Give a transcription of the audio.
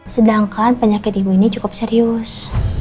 sedangkan penyakit ibu ini cukup serius